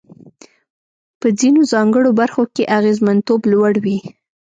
په ځینو ځانګړو برخو کې اغېزمنتوب لوړ وي.